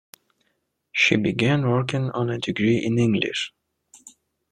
She began working on a degree in English.